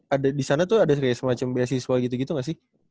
ada disana tuh ada kaya semacam beasiswa gitu gitu gak sih